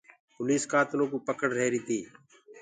پوليس ڪآتلو ڪوُ پَڪڙ رهيري تي۔